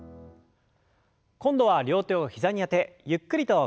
今度は両手を膝にあてゆっくりと屈伸の運動です。